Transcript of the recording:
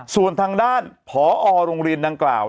ส่วนทางด้านผอโรงเรียนดังกล่าว